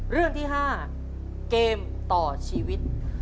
เรื่องที่๕เกมต่อชีวิต